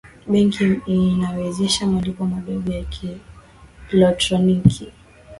benki inawezesha malipo madogo ya kielektroniki